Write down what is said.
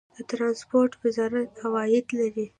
د ټرانسپورټ وزارت عواید لري؟